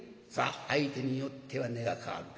「相手によっては値が変わるから。